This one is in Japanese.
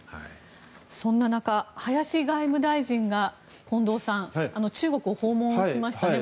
そんな中、林外務大臣が近藤さん中国を訪問しましたね。